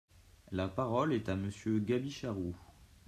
La parole est à Monsieur Gaby Charroux.